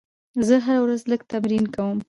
زه هره ورځ لږ تمرین کوم.